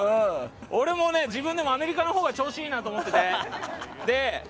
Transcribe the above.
俺も自分でもアメリカのほうが調子いいなと思ってて。